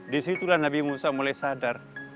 disitulah nabi musa mulai sadar